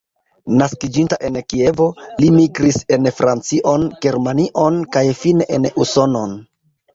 Naskiĝinta en Kievo, li migris en Francion, Germanion kaj fine en Usonon.